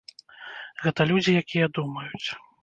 Гэта людзі, якія думаюць.